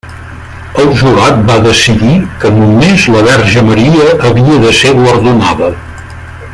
El jurat va decidir que només la Verge Maria havia de ser guardonada.